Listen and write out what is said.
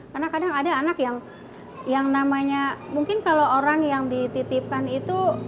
karena kadang ada anak yang namanya mungkin kalau orang yang dititipkan itu